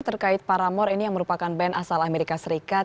terkait paramore ini yang merupakan band asal amerika serikat